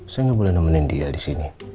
saya nggak boleh nemenin dia di sini